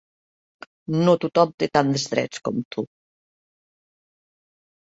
No tothom té tants drets com tu.